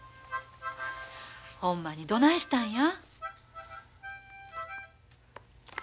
ほんまにどないしたんや？